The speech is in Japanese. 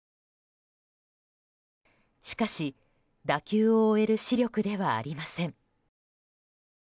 しかし打球を追える視力ではありません。